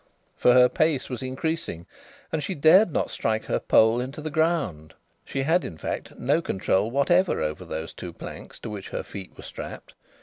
For her pace was increasing. And she dared not strike her pole into the ground. She had, in fact, no control whatever over those two planks to which her feet were strapped.